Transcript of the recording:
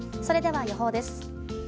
それでは予報です。